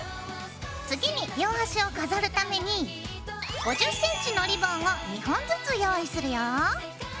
次に両端を飾るために５０ｃｍのリボンを２本ずつ用意するよ。